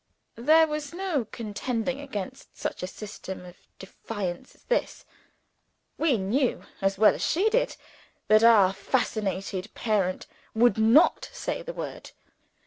There was no contending against such a system of defence as this. We knew as well as she did that our fascinated parent would not say the word.